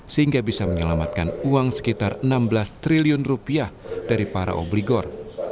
sehingga bisa menyelamatkan uang sekitar enam belas triliun rupiah dari para obligor